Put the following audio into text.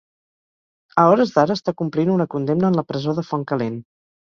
A hores d'ara, està complint una condemna en la presó de Fontcalent.